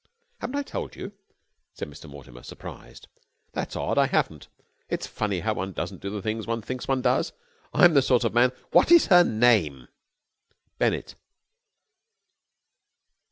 "Haven't I told you?" said Mr. Mortimer, surprised. "That's odd. I haven't! It's funny how one doesn't do the things one thinks one does. I'm the sort of man..." "What is her name?" "Bennett."